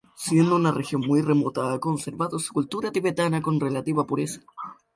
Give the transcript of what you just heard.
Siendo una región muy remota, ha conservado su cultura tibetana con relativa pureza.